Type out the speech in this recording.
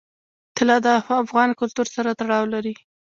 طلا د افغان کلتور سره تړاو لري.